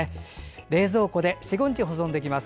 冷蔵庫で４５日保存できます。